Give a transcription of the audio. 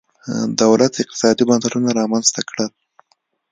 دولت اقتصادي بنسټونه رامنځته کړل.